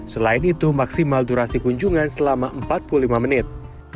selain itu maksimal durasi kunjungan selama empat puluh lima menit